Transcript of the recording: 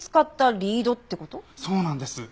そうなんです。